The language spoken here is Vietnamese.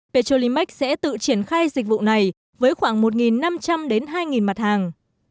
petrolimax sẽ tự triển khai dịch vụ này với khoảng một năm trăm linh đến hai mặt hàng